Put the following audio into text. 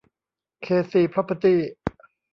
เค ซี พร็อพเพอร์ตี้